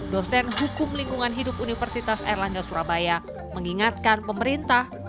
dosen hukum lingkungan hidup universitas erlangga surabaya mengingatkan pemerintah